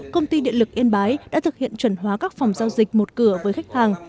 công ty điện lực yên bái đã thực hiện chuẩn hóa các phòng giao dịch một cửa với khách hàng